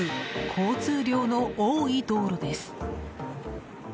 交通量の多い道路です。